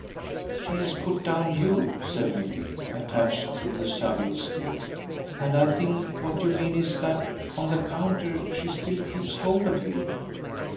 "She has put down YOU," said Milly, attached to the subject still; "and I think what you mean is that, on the counter, she still keeps hold of you."